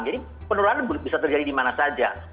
jadi penularan bisa terjadi di mana saja